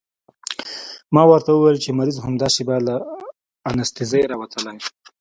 ما ورته وويل چې مريض همدا شېبه له انستيزۍ راوتلى.